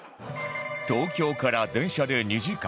東京から電車で２時間